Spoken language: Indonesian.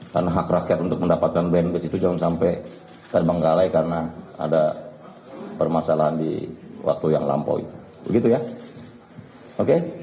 karena hak rakyat untuk mendapatkan bnbis itu jangan sampai terbanggalai karena ada permasalahan di waktu yang lampau begitu ya oke